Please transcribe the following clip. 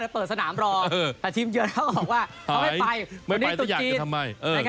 เปิดสนามรอแต่ทีมเยือนเข้าออกว่าเขาไม่ไปไม่ไปแต่อยากจะทำไม